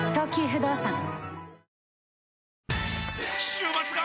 週末が！！